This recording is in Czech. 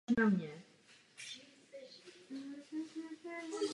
Jeho otcem je bývalý dlouholetý kapitán československé reprezentace František Pospíšil.